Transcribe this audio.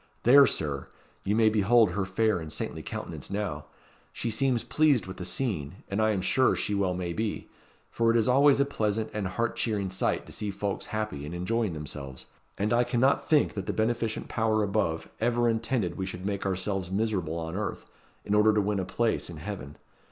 There, Sir, you may behold her fair and saintly countenance now. She seems pleased with the scene, and I am sure she well may be; for it is always a pleasant and a heart cheering sight to see folks happy and enjoying themselves; and I cannot think that the beneficent Power above ever intended we should make ourselves miserable on earth, in order to win a place in heaven.